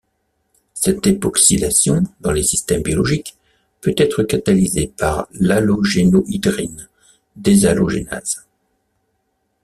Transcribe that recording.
Cette époxydation dans les systèmes biologiques peut être catalysée par l'halogénohydrine déshalogénase.